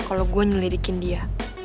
kalau gue ngelidikin dia